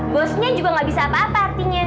bosnya juga gak bisa apa apa artinya